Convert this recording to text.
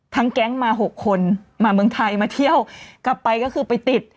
แก๊งมาหกคนมาเมืองไทยมาเที่ยวกลับไปก็คือไปติด